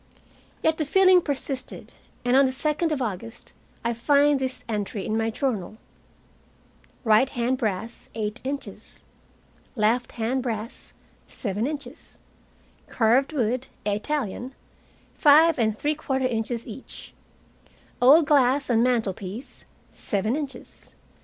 Yet the feeling persisted, and on the second of August I find this entry in my journal: Right hand brass, eight inches; left hand brass, seven inches; carved wood Italian five and three quarter inches each; old glass on mantelpiece seven inches.